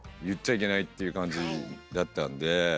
言っちゃいけないっていう感じだったんで。